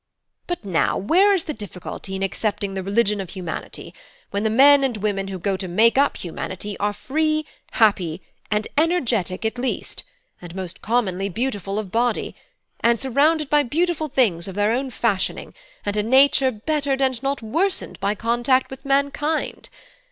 But now, where is the difficulty in accepting the religion of humanity, when the men and women who go to make up humanity are free, happy, and energetic at least, and most commonly beautiful of body also, and surrounded by beautiful things of their own fashioning, and a nature bettered and not worsened by contact with mankind?